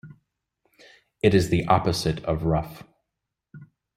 It is the opposite of rough.